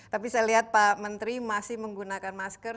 tapi saya lihat pak menteri masih menggunakan masker